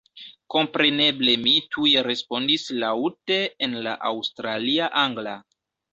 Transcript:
Kompreneble mi tuj respondis laŭte en la aŭstralia angla.